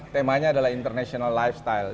temanya adalah international lifestyle